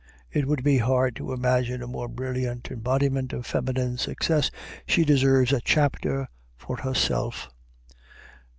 It would be hard to imagine a more brilliant embodiment of feminine success; she deserves a chapter for herself.